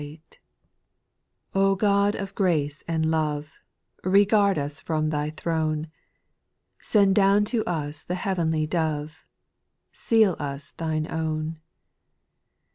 258 SPIRITUAL SONGS, God of grace and love, Regard us from Thy throne ; Send down to us the heavenly Dove, Seal us Thine own.